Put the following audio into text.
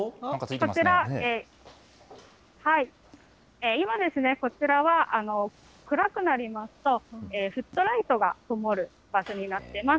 こちら、今ですね、こちらは暗くなりますと、フットライトがともる場所になってます。